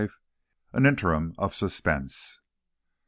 AN INTERIM OF SUSPENSE.